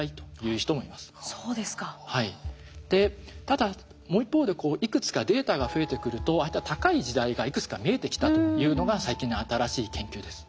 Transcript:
ただもう一方でいくつかデータが増えてくるとああいった高い時代がいくつか見えてきたというのが最近の新しい研究です。